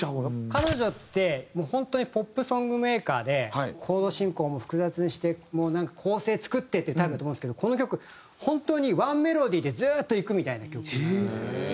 彼女ってもう本当にポップソングメーカーでコード進行も複雑にしてもうなんか構成作ってってタイプだと思うんですけどこの曲本当に１メロディーでずっといくみたいな曲なんですよ。